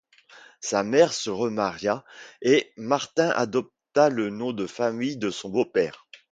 Sa mère se remaria et Martin adopta le nom de famille de son beau-père.